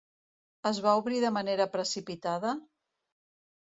Es va obrir de manera precipitada?